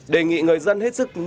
đề nghị người dân hết sức